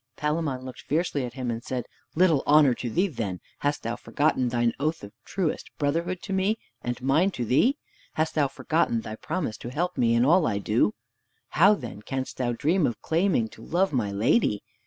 Palamon looked fiercely at him and said, "Little honor to thee then! Hast thou forgotten thine oath of truest brotherhood to me, and mine to thee? Hast thou forgotten thy promise to help me in all I do? How, then, canst thou dream of claiming to love my lady?